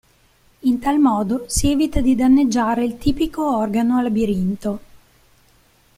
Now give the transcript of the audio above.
In tal modo, si evita di danneggiare il tipico organo Labirinto.